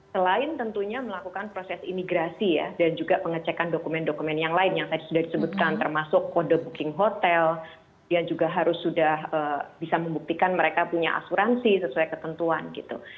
selain tentunya melakukan proses imigrasi ya dan juga pengecekan dokumen dokumen yang lain yang tadi sudah disebutkan termasuk kode booking hotel yang juga harus sudah bisa membuktikan mereka punya asuransi sesuai ketentuan gitu